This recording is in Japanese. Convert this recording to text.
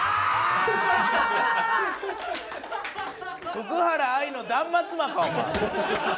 福原愛の断末魔かお前。